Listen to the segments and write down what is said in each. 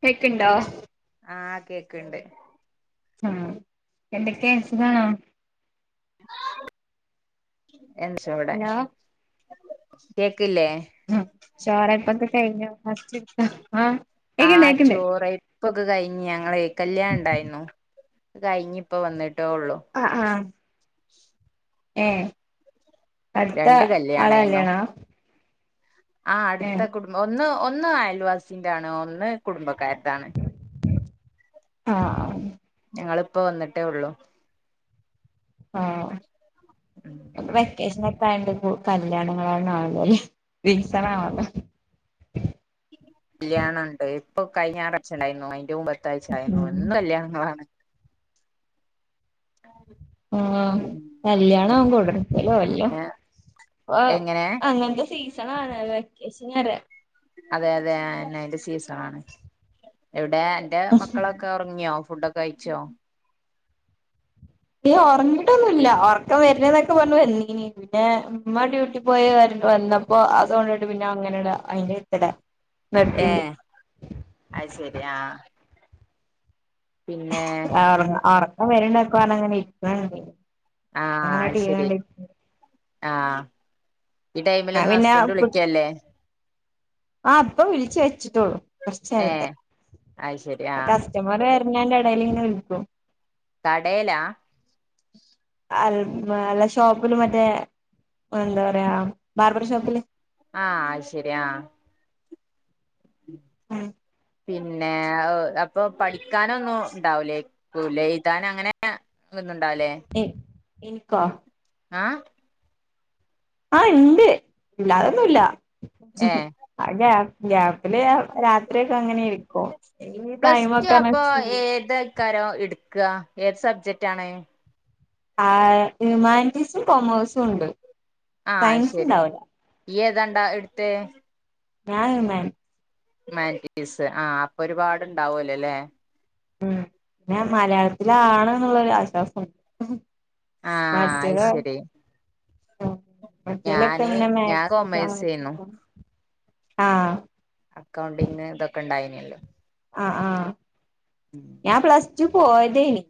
കേക്കണ്ടോ ആഹ് കേക്കണ്ട് ആഹ് എന്തൊക്കെ സുഖാണോ [unintelligible] കേക്ക് ആ ചാറ് [inaudible] കഴിഞ്ഞോ ഫസ്റ്റ് ഇട്ടോ ആഹ് ചോറ് ഇപ്പൊക്കെ കഴിഞ്ഞ് ഞങ്ങളെ- കല്യാണണ്ടായിരുന്നു അതുകഴിഞ്ഞ് ഇപ്പോ വന്നിട്ട്- ആ ആ ഏ അടുത്ത രണ്ട് ആൾടെ കല്യാണവാ ആ അടുത്ത കുടുംബ ഒന്ന് ഒ ഒന്ന് അയൽവാസിന്റെ ആണ് ഒന്ന് കുടുംബക്കാരുടെ ആണ് ആ ഞങ്ങളിപ്പോ വന്നിട്ടേ ഉള്ളു ആ വെക്കേഷന് എത്തായണ്ട് [unintelligible] കല്യാണങ്ങളാണണ്ല്ലോ സീസൺ ആണല്ലോ കല്യാണണ്ട് ഇപ്പ കഴിഞ്ഞാറാഴ്ച്ചണ്ടായിന്നു അയിന്റെ മുമ്പ- ടുത്താഴ്ച ആയിന്നു ഉം എന്നും കല്യാണങ്ങളാണ് ആ പിന്നെ കല്യാണവും കുടിരിക്കലും എല്ലോ ഇപ്പൊ എങ്ങനെ അങ്ങനത്തെ സീ സണാണ് വെക്കേഷനറിയ അതെ അതെ അതന്നെ അയിന്റെ സീസണാണ് എവി- ന്നെ അന്റെ മക്കളൊക്കെ ഒറങ്ങിയോ ഫുഡോ കഴിച്ചോ ഏയ് ഒറങ്ങിട്ടൊന്നുല്ല ഒറക്കം വരുണന്ന് എന്നൊക്കെ പറഞ്ഞു വന്നീനി പിന്നെ ഉമ്മ ഡ്യൂട്ടി പോയി വന്നപ്പോ ആ സൗണ്ടേട്ട് പിന്നെ അങ്ങനെയാണ്ട് അയിന്റെ വയ്ത്തലേ ഏ അത് ശെരി ആ ആ ഒറങ്ങ ഒറ്- ക്കം വരണ്ട്ന്ന് പറഞ്ഞൊക്കെ ഇരിക്ക്ണ്ട് ആഹ് അങ്ങനെ അത് ടിവി ശരി കണ്ടിരിക്ക്ണ്ട് ആഹ് ഈ ടൈമിൽ ഒന്നും ഹസ്ബൻഡ് വിളിക്കല്ലേ ആഹ് ഇപ്പ വിളിച്ച് വെച്ച് ട്ടൊള്ളു ഏഹ് കൊർച്ചേരത്തെ അത് ശരി പ്പ ആഹ് കസ്റ്റമറ് പിന്ന അയിന്റെടെല്ങ്ങനെ വിളിക്കും കടേലാ അ അൽ അല്ല ഷോപ്പില് മറ്റേ എന്തപറയാ ബാർബർ ഷോപ്പില് ആഹ് ശരി ആഹ് ഉം പിന്നെ അപ്പൊ പഠിക്കാനൊന്നും ഉണ്ടാവുലെ ക്കുലെ എയ്‌താനങ്ങനെ ഇൻ ഇന്ക്കോ ആഹ് ആഹ് ഇണ്ട് ഇല്ലാതൊന്നുല്ല ഏഹ് [unintelligible] ഗ്യാപ്പില് രാത്രിയൊക്കെ അങ്ങനെ ഇരിക്കും ഈ ടൈമൊക്കെന്ന്പറഞ്ഞ ചൂ ക്കാരോം ഇട്ക്ക ഏത് സബ്ജെക്ട് ആണ് ആഹ് ഹ്യൂമാനിറ്റീസും കൊമേഴ്സും ഉണ്ട് ആഹ് സയൻസ് ശെരി ഉണ്ടാവൂല യെ തണ്ടാ ഇട്ത്തേ ഞാന് മ ഹ്യുമാനിറ്റീസ് ആഹ് അപ്പൊ ഒരുപാടുണ്ടാവല്ലൊല്ലേ ഉം പിന്നെ മലയാളത്തിലാണ് ന്നുള്ളൊരു ആശ്വാസംണ്ട് ആഹ് അത് മറ്റേതൊ ശരി ഉം മറ്റേതൊക്കെ ഞാന് പിന്നെ ഞാൻ മാക്സും കൊമേഴ്സേന്നു [unintelligible] ആഹ് അക്കൗണ്ടിംഗ് ഇതൊക്കെ ഇണ്ടായിനില്ലോ ആഹ് ആഹ് ഞാൻ പ്ലസ് ടു പോയതേനി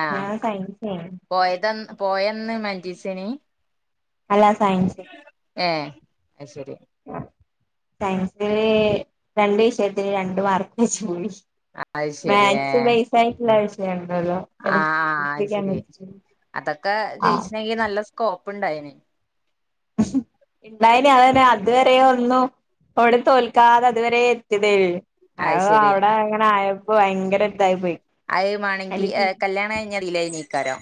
ആഹ് ഞാൻ സയൻസയിനു പോയതന്ന് പോയന്ന് ഹുമാറ്റിസെനി അല്ല സയൻസ് അയ് ശെരി സയൻസിലേ രണ്ട് വിഷയത്തിന് രണ്ട് മാർക്ക് വെച്ച് പോയി അത് ശരി മാത്‍സ് ഏഹ് പൈസ ആയിട്ടില്ല [unintelligible] ജെം ആഹ് അയ് ശെരി അതൊക്ക ആ ജയിച്ചണെങ്കി നല്ല സ്കോപ്പ് പ്പുണ്ടായേനെ [unintelligible] അതെന്നെ അതുവരെ ഒന്നും അവിടെ തോൽക്കാത അതുവരെ എത്തിയതേയു ആ അത് ശരി അവിടെ അങ്ങനെ ആയ ഇപ്പൊ ഭയങ്കര ഇതായി പോയി ആയ് മണ്ങ്കിൽ കല്യാണം കഴിഞ്ഞല്ലേ [unintelligible] കരം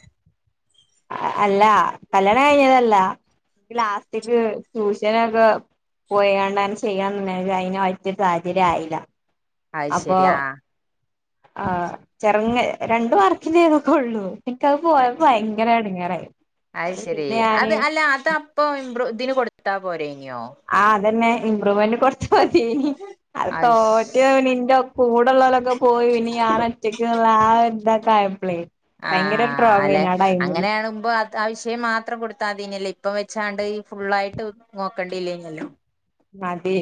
അല്ല കല്യാണം കഴിഞ്ഞതല്ല ലാസ്റ്റക്ക് ട്യൂഷനൊക്കെ പോയിണ്ട ചെയ്യാന്ന അതിന് പറ്റിയൊരു സാഹചര്യം ആയില്ല അയ് ശരി ആഹ് ആഹ് ചെറങ്ങ രണ്ടു മാർക്കിന്റെ ഇതൊക്കെ ഉള്ളൂ എനിക്കത് പോയപ്പോ ഭയങ്കര ഇടങ്ങറായി അത് ശരി പിന്നെ അത് ഞാന് അല്ല അതപ്പൊ ഇമ്പ്രൂ ഇതിന് കൊടുത്താ പോരേ ആ അതന്നെ ഇമ്പ്രൂവ്മെന്റ് കൊർച്ച് അതേ ഹി അത് അയ്ശ് തോറ്റോലിന്റെ കൂടുള്ളോലൊക്കെ പോയി ഇനി ഞാൻ ഒറ്റക്ക്ള്ള ആ ഒരു ഇത തായപ്ലെ ആ അലെ അങ്ങനെയാവുമ്പോ താ വിഷയം മാത്രം കൊടുത്താതിനില്ലേ ഇപ്പം വെച്ചാണ്ട് ഫുള്ള് ആായിട്ട് നോക്കണ്ടില്ലാനിയല്ലോ മടി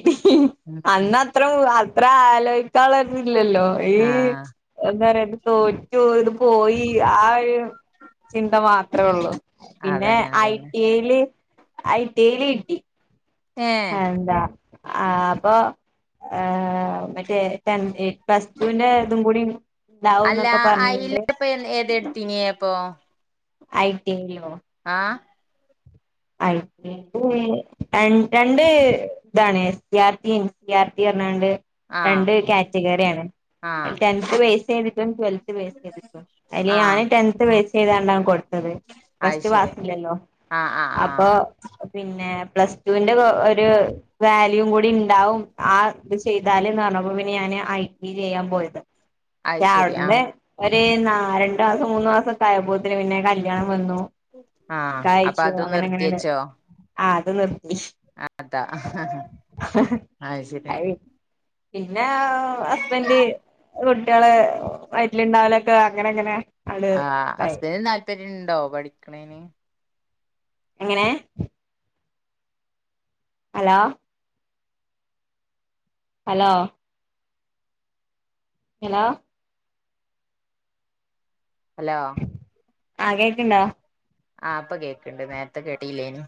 അന്നത്രൊ അ ത്രാലോയ്ക്കാള്ളത് ഇല്ലല്ലോ ഈ ആഹ് സ് എന്താണെത് തോറ്റു ഇത് പോയി ആ ഒരു ചിന്ത മാത്രേ ഒള്ളൂ പിന്നെ അതന്നെ ഐ അതന്നെ ടി യേല് ഐടില് കിട്ടി ഏഹ് എന്താ ആ പൊ ഏ മറ്റേ ടെൻ ഏ പ്ലസ്ടുന്റെ ഇതും കൂടി ഉണ്ടാവും അല്ലാ എന്നൊക്കെ പറഞ്ഞണ്ട് അയില്പ്പം എന് ഏതേ ഇട്ത്തീനിയേ അപ്പൊ ഐട്ടിയെലോ ആ ഐട്ടിക്കുമേ ര രണ്ട് ഇതാണ് [unintelligible] പർഞ്ഞാണ്ട് ആഹ് രണ്ട് ക്യാറ്റഗറിയാണ് ആഹ് അയില് ടെൻത് ബേസെയ്തിട്ടും ട്വൽത്ത് ബേസെയ്തിട്ടും അയില് ഞാൻ ആഹ് ടെൻത് ബേസെയ്താണ്ടാ കൊടുത്തത് അത് ഫസ്റ്റ് ശരി പാസ്സ്ല്ലല്ലോ ആഹ് ആഹ് ആഹ് അപ്പൊ പിന്നെ പ്ലസ്ടുവിന്റെ വോ ഒര് വാല്യൂ കൂ ടിണ്ടാവും ആഹ് ദിസ് ചെയ്താല്ന്ന് പറ്ഞ്ഞപ്പോ പിന്നെ ഞാന് ഐ ടി ചെയ്യാ പോയത് അയ്ശരി ആഹ് ര് ന്നാ രണ്ട് മാസം മൂന്ന് മാസൊക്കെ ആയപ്പോത്തിന് പിന്നെ കല്യാണം വന്നു ആഹ് അപ്പൊ അ ത് നിർത്തിയെച്ചോ ആഹ് അത് നിർ അതാ [unintelligible] ഇന്ന് [unintelligible] ഹസ്ബൻഡ് കുട്ടിയള് ആയി ട്ട്ല്ണ്ടാവലൊക്കെ അങ്ങനങ്ങനെ ആഹ് അസ്ബൻഡിന് താല്പര്യണ്ടോ പഠിക്കണേന്? എങ്ങനെ അലോ ഹലോ ഹലോ ഹലോ ആഹ് കേക്ക്ണ്ടോ? ആഹ് ഇപ്പൊ കേക്കണ്ട് നേരത്തെ കേട്ടില്ലേനി.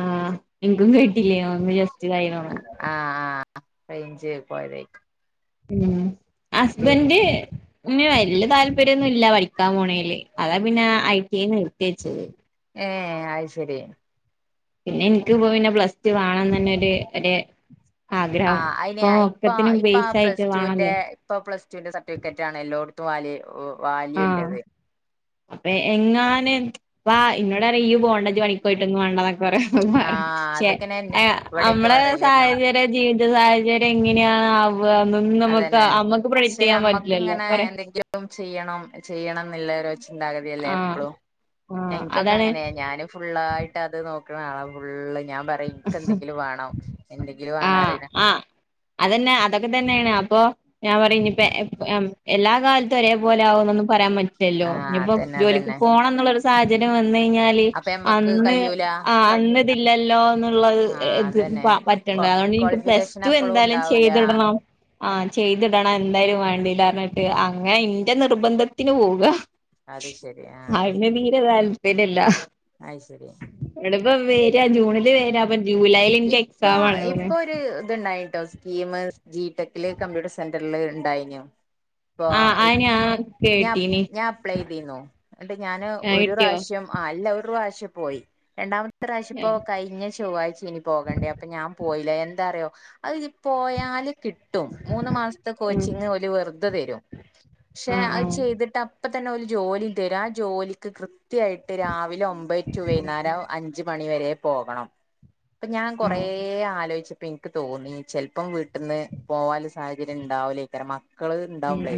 ആഹ ഇൻക്കും കേ ട്ടിലേന്നു ഒന്ന് ജെസ്റ്റ് തായിണോണ്. ആഹ് ആഹ് റേഞ്ച് പോയതേക്ക് ഉം ഹസ്ബന്റന് വല്യ താല്പര്യം പര്യന്നൂല്യ വലിക്കാൻ പോണേല് അതാ പിന്നെ ഐ ടിന്ന് [inaudible] ഏ അ ശരി പിന്നെ എനിക്ക് ഇപ്പ പിന്നെ പ്ലസ് വേണംന്ന് തന്നെ ഒരു ഒരു ആഗ്രഹം ആഹ് അയിന് ഇപ്പൊ ഇപ്പ ഒക്കത്തിനും ഇപ്പ ആ ബേസ് പ്ലസ് ആയിട്ട് ടുവിന്റെ വേണല്ലോ [unintelligible] ആഹ് വാല്യൂല്ലത് അപ്പൊ എങ്ങാൻ വ ഇന്നോട് അറിയും ഇയ്യ്‌ പോണ്ട ഇജ്ജ് പണിക്കോയിട്ടൊന്നും വേണ്ടതൊ പറെ പറെ ആഹ് ക്ഷെ അതൊക്കെന്നെ എ ഇവിടെക്കെ നമ്മള പറയലെന്നെ സാഹചര്യ ജീവിത സാഹചര്യ എങ്ങ [unintelligible] ന്നും നമുക്ക് അതന്നെ നമ്മുക്ക് പ്രൊഡിക്ട് പക്ഷെ ചെയ്യാൻ നമ്മക്ക് പറ്റില്ലല്ലോ ഇങ്ങനെ പറ എന്തെങ്കിലും ചെയ്യണം ചെയ്യണം എന്നില്ല ചിന്താഗതിയല്ലേ ആഹ് എപ്പളും ആഹ് എനിക്കൊക്കെ അതാണ് അങ്ങനെയ ഞാനും ഫുുള്ളായിട്ട് അത് നോക്കി ക്ക്ണ ആളാ ഫുൾ ഞാൻ ഇൻക്കെന്തെങ്കിലും വാണം എന്തെങ്കിലു വാണാ ആഹ് അറിയിന ണെ അപ്പൊ ഞാൻ പറയ് ഇപ്പ എപ്പ് എം എല്ലാ കാലത്ത് ഒരേപോലെയാവുവെന്നൊന്നും പറയാൻ പ റ്റില്ലല്ലോ ല്ലോ ആഹ് ഇനിയിപ്പോ അതന്നെ ജോലിക്ക് അതന്നെ പോണന്നുള്ളൊരു സാഹചര്യം വന്നഴിഞ്ഞാല് അപ്പൊ ഞമ്മക്ക് അന്ന് കയ്യൂല ആ അന്ന് തില്ലല്ലോ ന്നുള്ള ഇ എ ആഹ് പ് അതന്നെ പ പറ്റണ്ട കൊ അതുകൊണ്ടിനിക്ക് പ്ലസ് ക്വാളിഫിക്കേഷൻ ടു അപ്പളും എന്തായാലും ഉണ്ടാവൂല ചെയ്തിടണം ആഹ് ചെയ്തിടണം എന്തായാലും വേണ്ടില്ല അറഞ്ഞിട്ട് അങ്ങനെ ഇന്റ നിർബന്ധത്തിന് പോവ്ക അത് ശരി അയിന് തീരെ വാ പിന്നെല്ല ആയ് ശെരി വവ്വേ [unintelligible] ജൂണില് പ്പ ജൂലൈല് എനിക്ക് എക്സാമാണ് [unintelligible] [unintelligible] സ്കീമ് ജീ ട്ടെ ക്കില് കമ്പ്യൂട്ടർ സെന്റർല് ഉണ്ടായിനു അപ്പൊ ആഹ് അത് ഇപ്പ് ഞാൻ ഞാൻ കേട്ടീനി ഞാൻ അപ്ലൈയ്തീന്നു എന്ന്ട്ട് ഞാന് ആ ഒരു കിട്ടിയോ പ്രാശ്യം അല്ല ഒ റുപ്രാശ്യ പോയി രണ്ടാമത്തറ ആ ഇപ്പോ കഴിഞ്ഞ ചൊവ്വാഴ്ച്ചേനി പോകേണ്ടേ അപ്പൊ ഞാൻ പോയി ല്ല എന്താറ്യോ അഅ് ഞ് പോയാല് കിട്ടും മൂന്ന് മാസത്ത കോച്ചിങ് ആ ഓല് വെറ ഇപ്പ വെരും ക്ഷേ ആ ആ അഅ് ചെയ്തിട്ട ഇപ്പ തന്ന ഒരു ജോലി തെരാ ജോലിക്ക് കൃ ത്യായിട്ട് രാവിലെ ഒമ്പത് റ്റു ഉം വൈന്നാരം അഞ്ച് മ ണിവരെ പോകണം പ്പ ഞാൻ കുറേ ആലോചി പ്പ എന്ക്ക് തോന്നി ചിൽപ്പം വീട്ട്ന്ന് പോവാന്ല്ല സാഹചര്യണ്ടാവുല്ല ഇത്രമ ക്കള് ഉം ഇണ്ടാവുമ്പ്ളെ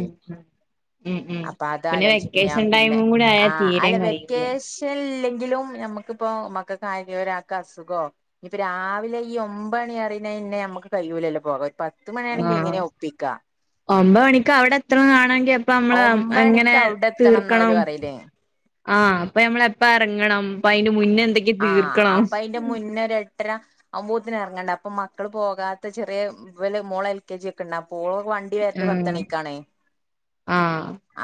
ഉം ഉം അപ്പ പിന്നെ അതാലോയിച്ച്പ്പ ഞാൻ വെക്കേഷൻ പിന്നെ ടൈമും കൂടെ ആ ആയാൽ അല്ല തീരേം കഴിയൂല വെക്കേഷൻലെ എങ്കിലും ഞമ്മക്കിപ്പോ മക്കക്കാ ഇയൊരാക്ക് അസുഖോ ഇനിപ്പ രാവിലെ ഈ ഒമ്പണി പറിന്നെന്നേമുക്ക് കൈയൂലല്ല പോകാ പ ത്ത് ആ മണിയാണെങ്കി എങ്ങനെ ഒപ്പിക്ക ഒമ്പത് മണിക്ക് അവിടെ എത്തെണതാണെങ്കി അ പ്പ നമ്മള് എങ്ങനെ ഒമ്പണിക്ക് അവിടെ എത്തണംന്നാ ഓല് തീർക്കണം പറയല് ആ അപ്പൊ നമ്മളെപ്പ എറങ്ങണം അപ്പം അയിന് മുന്നേ എന്തൊക്കെ ആ തീർക്കണം അപ്പൊ അയിന്റെ മുന്നേ ഒരു എട്ടര അമ്മോത്തിന് ഇറങ്ങണ്ടേ അപ്പൊ മക്കള് പോകാത്ത ചെറിയ ഇവല് മോള് എൽ കെ ജി ഒക്കെ ഉണ്ട് അപ്പോ വണ്ടി ആ വരല് പത്തണിക്കാണ് ആ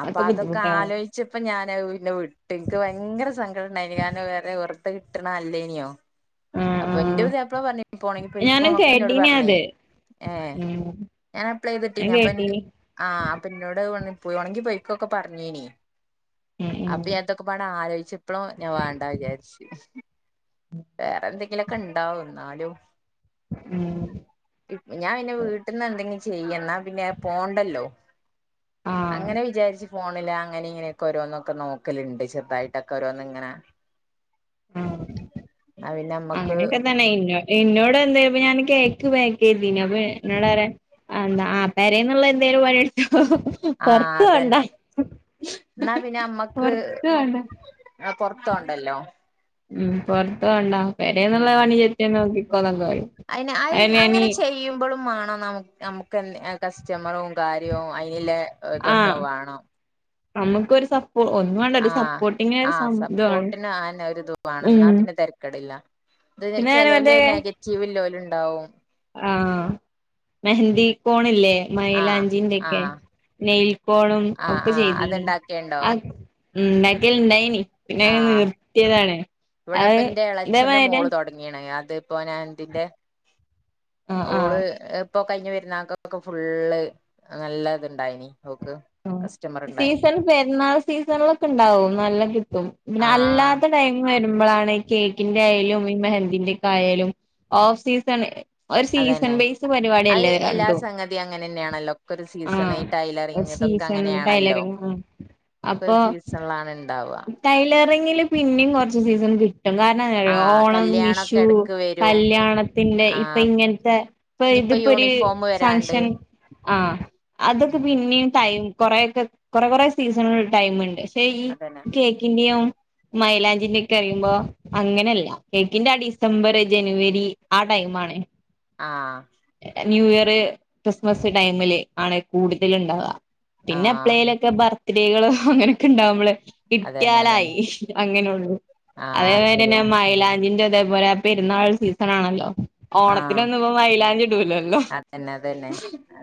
അപ്പൊ അതൊക്കെ ആലോചിച്ചപ്പോ ഞാൻ പിന്നെ വിട്ട് എനിക്ക് ഭയങ്കര സങ്കടണ്ടായി ഇനി കാരണം കൊറെ ത് കിട്ട്ണ അല്ലേനിയോ ആ ആ അപ്പൊ ഇന്റെ പുതിയാപ്ല പറഞ്ഞ് ഇപ്പ പോണെങ്കി ഞാനും പൊയിക്കോന്നൊക്കെ എന്നോട് കേട്ടീനി പറഞ്ഞ് അത് ഏ ഉം ഞാൻ അപ്ലൈ ഞാൻ ചെയ്തിട്ടീനി അപ്പൊ കേട്ടീനി ആ അപ്പൊന്നോട് വന്ന് പോവാണെങ്കി പൊയിക്കൊക്കെ പറഞ്ഞീനി ഉം അപ്പൊ ഞാൻ ഉം ഇതൊക്കെപാടെ ആലോചിച്ചപ്പളും ഞാൻ വാണ്ട വിചാരിച്ച് വേറെ എന്തെങ്കിലൊക്കെണ്ടാവും ന്നാലും ഉം ഇപ് ഞാൻ പിന്നെവീട്ടിൽന്ന് എന്തെങ്കി ചെയ്യന്നാ പിന്നെ പോണ്ടല്ലോ ആ അങ്ങനെ വിചാരിച്ചു ഫോണില് അങ്ങനെ ഇങ്ങനെയൊക്കെ ഓരോന്നൊക്കെ നോക്കലുണ്ട് ചെറതായിട്ടൊക്കെ ഓരോന്ന്ങ്ങനെ അങ്ങനെയെക്കെ തന്നെ ഇന്നോട് ഇന്നോടൊന്ന് അപ്പൊ ഞാൻ കേക്ക് പാക്ക് ചെയ്തീനി അപ്പൊ ന്നോട്റയാ അഎന്താ പേരേന്നുള്ള എന്തേലുംപണി ട്ത്തോ പോ ആ പൊറത്ത് പോണ്ട അതന്നെ എന്നാ പിന്നെ പൊറത്ത്‌ പോ [inaudible] പൊർത്തോണ്ടല്ലോ ഉം പൊർത്ത് പോണ്ട പരേന്നുള്ളപണി ചെയ് [unintelligible] [unintelligible] അയ്ന് അൽ അങ്ങനെ ചെയു ബ്ളും മാണ്ണം നമുക്ക് എന്തേ കസ് [unintelligible] കാര്യവും അയിന്ലേ ആഹ് ആ ഇതൊക്കെ വേണ്ണം നമുക്കൊരു സ ആ ആ ഇത് വേണം സപ്പോർട്ടിന് ആന്നെ ഒര്ത് വേണം ഉം ഇന്നാ പിന്നെ തരക്കേടില്ല. ഇത് പിന്നെ ചെലോല് നെഗറ്റീവ് ഉള്ളോല് ഇണ്ടാവും ആഹ് മെഹന്തി കോണില്ലേ ആ മൈലാഞ്ചിന്റെക്കെ ആ നെയിൽ കോണും ആഹ് ഒക്കെ ആഹ് ചെയ്തീനി അത്ണ്ടാക്കിയണ്ടോ അ ഉം ഇണ്ടാക്കൽ ഇണ്ടായിനി. പിന്നെ അങ്ങ് ആഹ് നിർത്തിയതാണ് ഇവിടെപ്പ അത് എന്റെ ഇതേ ഇളച്ചന്റെ മായിരി മോള് തുടങ്ങിയാണ് [unintelligible] ആഹ് ഓള് ആഹ് എപ് ഇപ്പൊ കഴിഞ്ഞ പെരുന്നാക്കൊക്കെ ഫുള്ള് നല്ല ഇത് ഉണ്ടായിനി. ഓക്ക് ആഹ് കസ്റ്റമർ ഇണ്ടായിന്. സീസൺ പെരുന്നാൾ സീസണിലൊക്കെ ഇണ്ടാവും നല്ല കിട്ട് [unintelligible] പിന്നെ ആഹ് ആഹ് അല്ലാത്ത ടൈം വരു മ്മളാണ് കേക്കിന്റെ ആയാലും ഈ മെഹന്തിന്റെക്കെ ആയാലും ഓഫ് സീസൺ ഒരു അത് സീസൺ തന്നെ ബേസ് അത് പരിപാടിയല്ലേ എല്ലാ രണ്ടും സംഗതിയും അങ്ങനെ തന്നെയാണല്ലോ ഒക്കെ ഒരു സീസണ് ആഹ് ടൈലറി സീസൺ ടൈലറിംഗ് ഒക്കെ ഉംഅപ്പൊ ഒരു സീസണിലാണ് ഉണ്ടാവുക ടൈലറിങ്ങ് പിന്നെയും കുറച്ച് സീസൺ കിട്ടും കാരണം എന്താ നന്നറിയുവോ ആഹ് ഓണം, കല്യാണൊക്കെ വിഷു, ഇടക്ക് വരും കല്യാണത്തിന്റെ ഇപ്പൊ ആഹ് ഇങ്ങനത്തെ ഇപ്പൊ ഇനിയിപ്പോ ഇതിപ്പോഒരു യൂണിഫോം വരാണ്ട് ഫങ്ഷൻ ആ അതൊക്കെ ഉം പിന്നെയും ടൈം കൊറെയൊക്കെ കൊറെ കൊറെ സീസണ് ടൈമുണ്ട് അതന്നെ [unintelligible] കേക്കിന്റയും മൈലാഞ്ചിന്റെ ഒക്കെ അറിയുമ്പോ അങ്ങനെയല്ല കേക്കിന്റെ ആ ഡിസംബർ, ജനുവരി, ആ ടൈം ആണ് ആ ന്യൂ ഇയർ ക്രിസ്മസ് ടൈമില് ആണ് കൂടുതല്ണ്ടാവാ പിന്നെ ആഹ് പ്പെളേലൊക്കെ ബർ സ്ത്രീകള് അങ്ങനെയൊക്കെണ്ടാവുമ്പള് അതന്നെ അതന്നെ കിട്ട്യാലായി അങ്ങനൊള്ളൂ ആഹ് അതേപോലെ ശരിയാ തന്നെ മൈലാഞ്ചിന്റെ അതേപോലെ ആ പെരുന്നാൾ സീസൺ ആണല്ലോ ഓണത്തിന് ആഹ് ഒന്നൂപ്പം മൈലാഞ്ചി ഇടുല്ലല്ലോ അതന്നെ അതന്നെ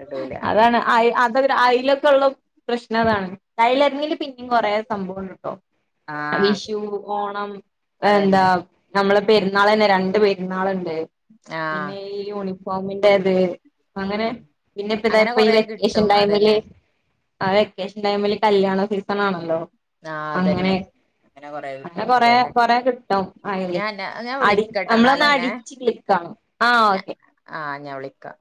ഇടൂല അതെ അതാണ് അയ് അത അയ്ലൊക്കെ ഉള്ള പ്രശ്നതാണ് ടൈലറിങ്ങില് പിന്നിം കൊറേ സംഭവണ്ട് ആഹ് വിഷു, ഓണം എന്താ അതന്നെ നമ്മളെ പെരുന്നാളെന്നെ രണ്ട് പെരുന്നാളുണ്ട് ണ്ട് ആഹ് പിന്നെ ഈ യൂണി നോമ്പിന്റെത് അങ്ങനെ പിന്നെപ്പതാ അങ്ങനെ ഇപ്പം ഈ കൊറെ വെക്കേഷൻ കിട്ടും ടൈമില് അതന്നെ ആ വെക്കേഷൻ ടൈമില് കല്യാണ സീസൺ ആണല്ലോ ആഹ് അങ്ങനെ അതന്നെ അങ്ങനെ കൊറെ അങ്ങെ കിട്ടും കൊറെ അതന്നെ കൊറേ കിട്ടും അയ്ല് ഞാൻ ഞാൻ അടി വിളിക്കട്ടെ നമ്മളൊന്നും എന്നാലന്നെ അടിച്ചില്ലേ കാണും ആ ഓക്കെ ആഹ് ഞാൻ വിളിക്കാം